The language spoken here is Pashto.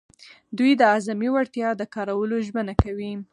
دوی د اعظمي وړتیا د کارولو ژمنه کوي.